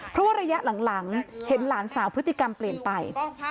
เพราะว่าระยะหลังเห็นหลานสาวพฤติกรรมเปลี่ยนไป